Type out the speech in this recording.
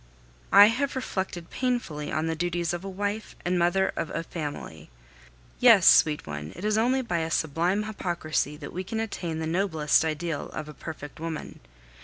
I have reflected painfully on the duties of a wife and mother of a family. Yes, sweet one, it is only by a sublime hypocrisy that we can attain the noblest ideal of a perfect woman.